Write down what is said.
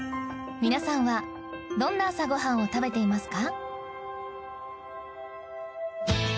皆さんはどんな朝ご飯を食べていますか？